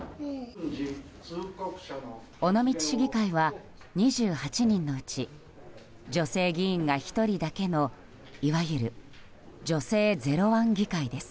尾道市議会は、２８人のうち女性議員が１人だけのいわゆる女性ゼロワン議会です。